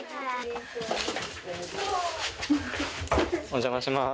お邪魔します。